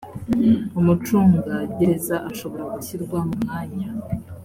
umucungagereza ashobora gushyirwa mu mwanya